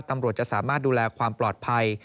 ตำรวจจะสามารถดูแลความปลอดภัย